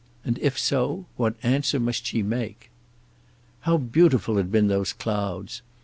And if so, what answer must she make? How beautiful had been those clouds!